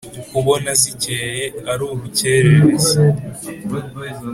ubona zicyeye ari urucyerereza